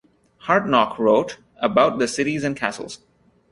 Hartknoch wrote: About the cities and castles.